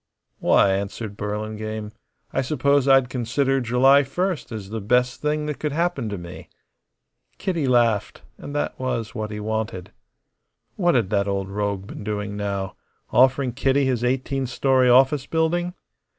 "Why," answered Burlingame, "I suppose I'd consider July first as the best thing that could happen to me." Kitty laughed; and that was what he wanted. What had that old rogue been doing now offering Kitty his eighteen story office building?